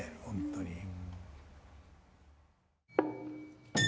本当に。